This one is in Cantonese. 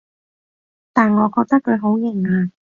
但我覺得佢好型啊